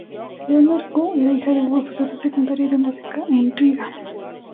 Lenore Kühn era hija de un profesor de secundaria y de música en Riga.